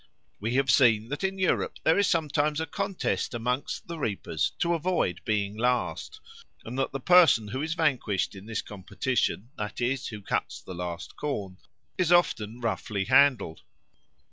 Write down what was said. We have seen that in Europe there is sometimes a contest amongst the reapers to avoid being last, and that the person who is vanquished in this competition, that is, who cuts the last corn, is often roughly handled.